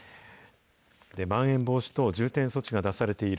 まん延防止等重点措置が出されている